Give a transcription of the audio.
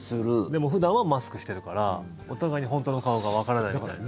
でも、普段はマスクしてるからお互いに本当の顔がわからないみたいな。